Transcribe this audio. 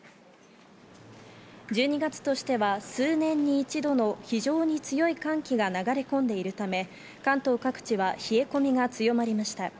１２月としては数年に一度の非常に強い寒気が流れ込んでいるため、関東各地は冷え込みが強まりました。